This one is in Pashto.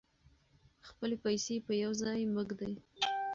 خپلې پیسې په یو ځای مه ږدئ.